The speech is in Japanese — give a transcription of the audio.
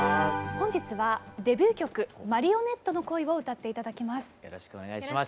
本日はデビュー曲「マリオネットの恋」を歌って頂きます。